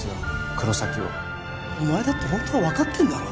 黒崎をお前だって本当は分かってんだろ